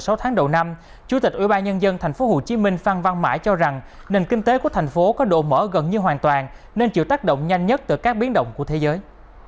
hồi sáu tháng đầu năm chủ tịch ủy ban nhân dân tp hcm phan văn mãi cho rằng nền kinh tế của thành phố có độ mở gần như hoàn toàn nên chịu tác động nhanh nhất từ các biến động của thế giới